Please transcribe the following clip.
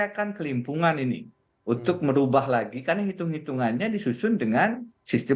akan kelimpungan ini untuk merubah lagi karena hitung hitungannya disusun dengan sistem